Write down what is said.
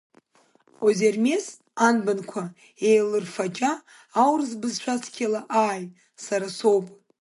Озермес анбанқәа еилырфаҷа аурыс бызшәа цқьала ааи, сара соуп!